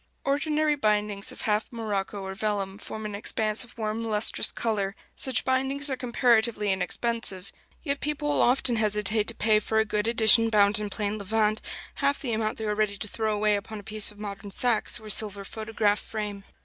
Ordinary bindings of half morocco or vellum form an expanse of warm lustrous color; such bindings are comparatively inexpensive; yet people will often hesitate to pay for a good edition bound in plain levant half the amount they are ready to throw away upon a piece of modern Saxe or a silver photograph frame.